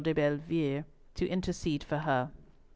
de Bellievre, to intercede for her.